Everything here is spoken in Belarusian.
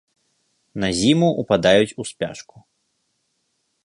На зіму ўпадаюць у спячку.